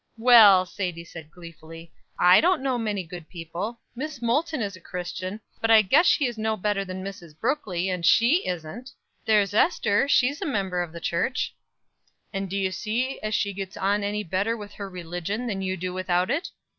"Well," said Sadie, gleefully, "I dont know many good people. Miss Molton is a Christian, but I guess she is no better than Mrs. Brookley, and she isn't. There's Ester; she's a member of the church." "And do you see as she gets on any better with her religion, than you do without it?